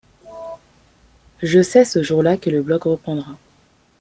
Je sais ce jour là que le blog reprendra.